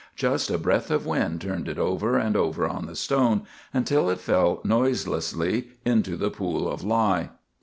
Just a breath of wind turned it over and over on the stone, until it fell noiselessly into the pool of lye.